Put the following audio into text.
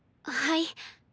はい。